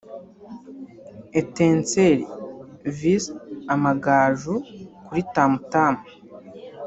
Etincelles vs Amagaju kuri Tam Tam